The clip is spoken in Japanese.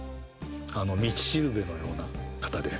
道しるべのような方で。